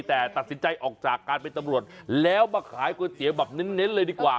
แต่ตัดสินใจออกจากการเป็นตำรวจแล้วมาขายก๋วยเตี๋ยวแบบเน้นเลยดีกว่า